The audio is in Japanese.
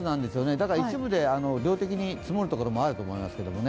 だから一部で量的に積もるところもあると思いますけどね。